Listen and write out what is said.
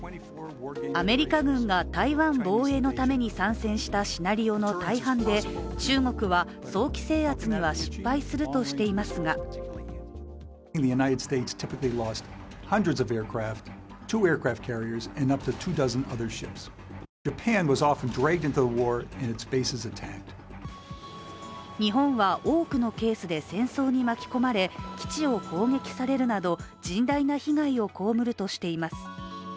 アメリカ軍が台湾防衛のために参戦したシナリオの大半で中国は早期制圧には失敗するとしていますが日本は多くのケースで戦争に巻き込まれ基地を攻撃されるなど甚大な被害をこうむるとしています。